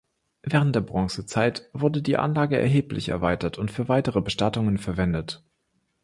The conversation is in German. Während der Bronzezeit wurde die Anlage erheblich erweitert und für weitere Bestattungen verwendet.